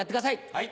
はい。